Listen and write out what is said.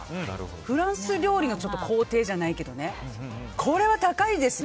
フランス料理の工程じゃないけどこれは高いですよ。